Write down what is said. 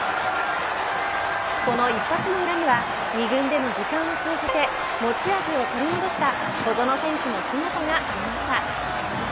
この一発の裏には２軍での時間を通じて持ち味を取り戻した小園選手の姿がありました。